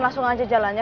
langsung aja jalannya